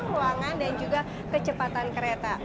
ruangan dan juga kecepatan kereta